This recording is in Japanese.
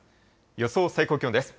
予想最高気温です。